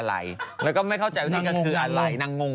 อันไม่เข้าใจว่านั่งงง